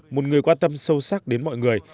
một người quan tâm sâu sắc đến mọi người